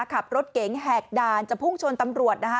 ขับรถเก๋งแหกด่านจะพุ่งชนตำรวจนะคะ